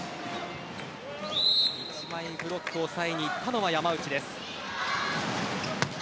１枚ブロックを抑えにいったのは山内です。